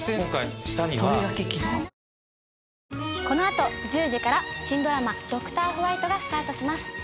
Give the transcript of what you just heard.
この後１０時から新ドラマ『ドクターホワイト』がスタートします。